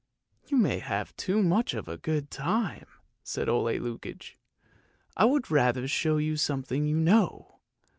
" You may have too much of a good thing," said 016 Lukoie; " I would rather show you something you know!